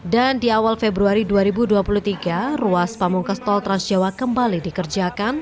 dan di awal februari dua ribu dua puluh tiga ruas pamungkastol transjawa kembali dikerjakan